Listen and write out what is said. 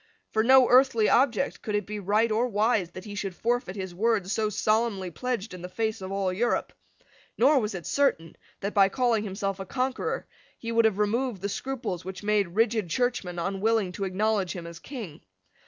For no earthly object could it be right or wise that he should forfeit his word so solemnly pledged in the face of all Europe. Nor was it certain that, by calling himself a conqueror, he would have removed the scruples which made rigid Churchmen unwilling to acknowledge him as King.